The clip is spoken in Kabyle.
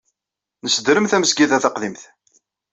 Nessedrem tamezgida taqdimt.